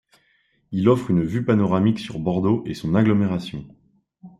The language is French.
Il offre une vue panoramique sur Bordeaux et son agglomération.